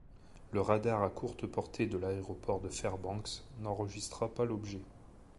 Le radar à courte portée de l'aéroport de Fairbanks n'enregistra pas l'objet.